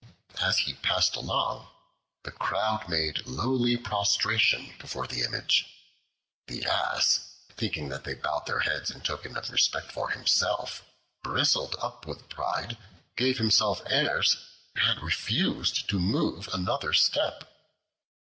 As he passed along, the crowd made lowly prostration before the Image. The Ass, thinking that they bowed their heads in token of respect for himself, bristled up with pride, gave himself airs, and refused to move another step.